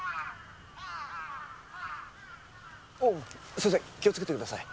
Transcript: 先生気をつけてください。